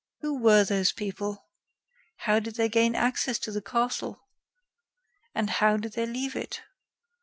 Who were those people? How did they gain access to the castle? And how did they leave it?